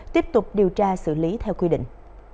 tiếp tục điều tra xử lý theo quy định